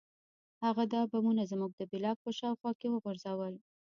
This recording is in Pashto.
هغه دا بمونه زموږ د بلاک په شاوخوا کې وغورځول